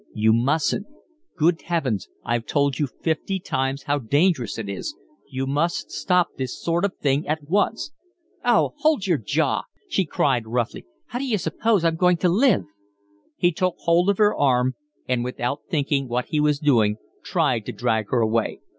"You mustn't. Good heavens, I've told you fifty times how dangerous it is. You must stop this sort of thing at once." "Oh, hold your jaw," she cried roughly. "How d'you suppose I'm going to live?" He took hold of her arm and without thinking what he was doing tried to drag her away.